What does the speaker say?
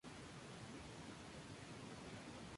Parece perezoso, bastante manso.